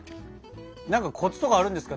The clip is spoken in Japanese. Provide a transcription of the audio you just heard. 何かコツとかあるんですか？